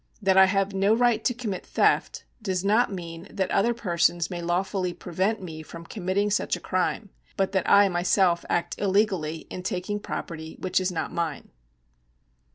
That I have no right to connnit theft does not mean that otlier jxTsons may lawfully prevent me from committing such a crime, but that I myself act illegally in taking property which is not mine.